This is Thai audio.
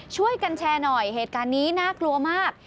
ช่วยกันแชร์หน่อยเหตุการณ์นี้น่ากลัวมาก